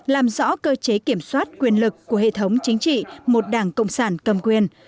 làm rõ cơ chế kiểm soát quyền lực của hệ thống chính trị một đảng cộng sản cầm quyền